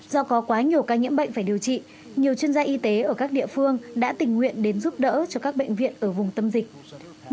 do có quá nhiều ca nhiễm bệnh phải điều trị nhiều chuyên gia y tế ở các địa phương đã tình nguyện đến giúp đỡ cho các bệnh viện ở vùng tâm dịch